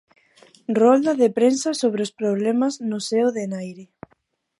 Rolda de prensa sobre os problemas no seo de Enaire.